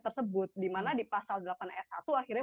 tersebut dimana di pasal delapan s satu akhirnya